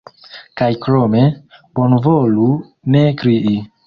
Kaj krome, bonvolu ne krii.